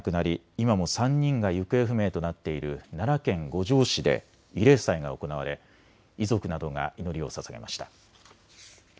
今も３人が行方不明となっている奈良県五條市で慰霊祭が行われ遺族などが祈りをささげました。